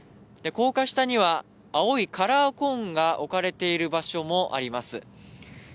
高架下には青いカラーコーンが置かれている場所もあります。